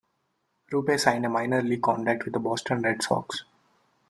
Rupe signed a minor league contract with the Boston Red Sox.